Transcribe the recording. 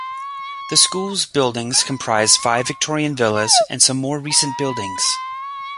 The school's buildings comprise five Victorian villas and some more recent buildings.